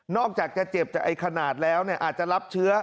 อกจากจะเจ็บจากไอ้ขนาดแล้วอาจจะรับเชื้อ